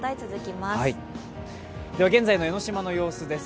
では現在の江の島の様子です。